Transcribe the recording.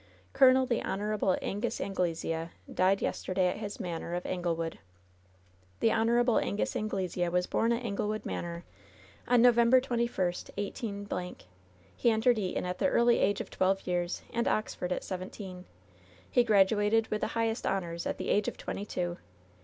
Col. the Hon, Angus Anglesea died yesterday at his manor of Anglewood. "The Hon. Angus Anglesea was bom at Anglewood Manor, on November 21, 181 —. He entered Eton at the early age of twelve years and Oxford at seventeen. He graduated with the highest honors, at the age of twenty two.